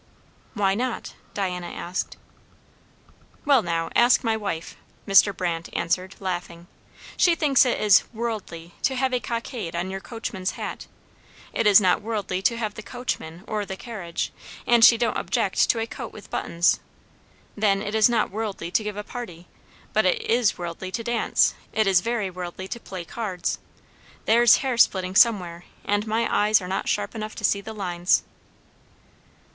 "Why not?" Diana asked. "Well, now, ask my wife," Mr. Brandt answered, laughing. "She thinks it is 'worldly' to have a cockade on your coachman's hat; it is not worldly to have the coachman, or the carriage, and she don't object to a coat with buttons. Then it is not worldly to give a party, but it is worldly to dance; it is very worldly to play cards. There's hair splitting somewhere, and my eyes are not sharp enough to see the lines."